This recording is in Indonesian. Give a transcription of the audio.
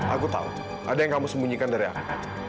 aku tahu ada yang kamu sembunyikan dari aku